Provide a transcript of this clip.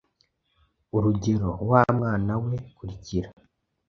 Urugero: Wa mwana we, kurikira.